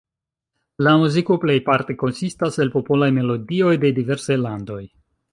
La muziko plejparte konsistas el popolaj melodioj de diversaj landoj.